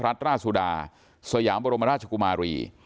พระราชราชุดาสยามบรมราชกุมารี